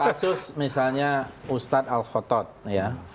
kasus misalnya ustadz al khotot ya